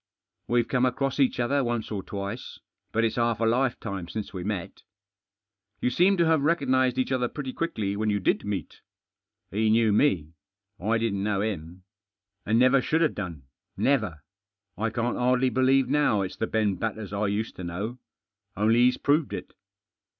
« WeVe fome across each other onte or twite, fiat it's half a lifetime since we met." "You seem to have recognised each othef pretty quickly Whett ydti did meet." "He knew me. I didn't know him. And never should have done — never. I can't hardly believe now it's the Beh Batters I used to know. Only he's proved it.